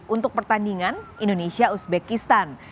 untuk pertandingan indonesia uzbekistan